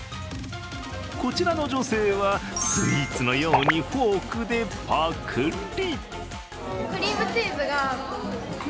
こちらの女性はスイーツのようにフォークでパクリ。